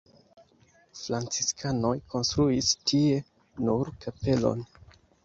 Franciskanoj konstruis tie nur kapelon.